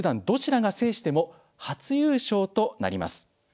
どちらが制しても初優勝となります。